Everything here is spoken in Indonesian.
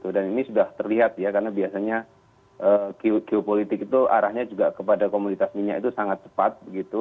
dan ini sudah terlihat karena biasanya geopolitik itu arahnya kepada komoditas minyak itu sangat cepat